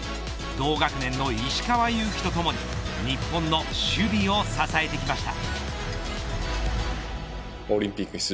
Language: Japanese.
同学年の石川祐希とともに日本の守備を支えてきました。